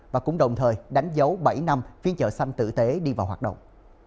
và cũng đồng thời đánh dấu bảy năm phiên chợ xanh tử tế đi vào hoạt động